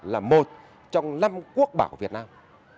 là một trong năm quốc bảo việt nam